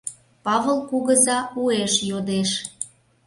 — Павыл кугыза уэш йодеш.